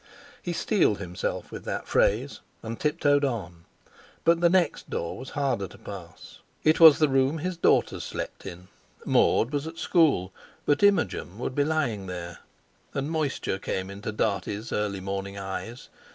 He steeled himself with that phrase, and tiptoed on; but the next door was harder to pass. It was the room his daughters slept in. Maud was at school, but Imogen would be lying there; and moisture came into Dartie's early morning eyes.